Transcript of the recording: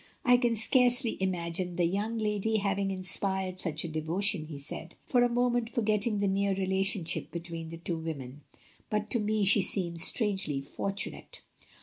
I can scarcely imagine the young lady having inspired such a devotion," he said, for a moment forgetting the near relationship between the two women; "but to me she seems strangely fortunate."